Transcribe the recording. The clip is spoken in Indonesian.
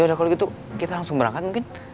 udah kalau gitu kita langsung berangkat mungkin